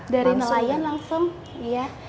dari nelayan langsung ya